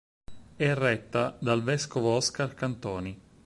È retta dal vescovo Oscar Cantoni.